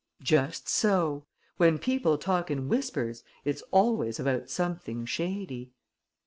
"Just so. When people talk in whispers, it's always about something shady."